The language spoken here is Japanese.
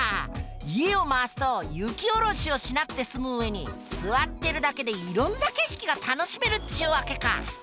家を回すと雪下ろしをしなくてすむ上に座ってるだけでいろんな景色が楽しめるっちゅうわけか！